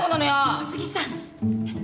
小杉さん